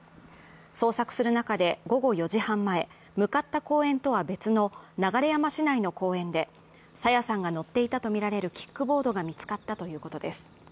捜索する中で午後４時半前、向かった公園とは別の流山市内の公園で朝芽さんが乗っていたとみられるキックボードが見つかったということです。